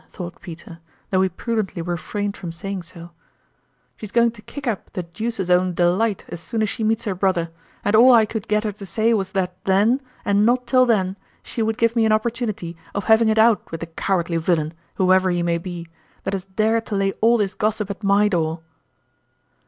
" thought Peter, though he prudently refrained from saying so.) 106 tourmalin's imc " She's going to kick up the dooce's own delight as soon as she meets her brother ; and all I could get her to say was that then, and not till then, she would give me an opportunity of having it out with the cowardly villain, whoever he may be, that has dared to lay all this gossip at my door